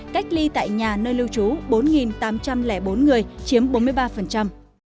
cách ly tại nhà nơi lưu trú bốn tám trăm linh bốn người chiếm bốn mươi ba